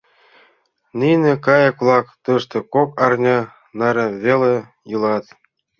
Нине кайык-влак тыште кок арня наре веле илат.